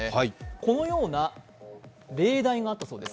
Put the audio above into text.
このような例題があったそうです。